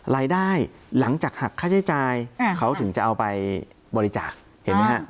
หลังจากหักค่าใช้จ่ายเขาถึงจะเอาไปบริจาคเห็นไหมฮะ